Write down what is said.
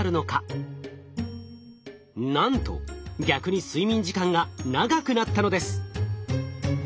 なんと逆に睡眠時間が長くなったのです。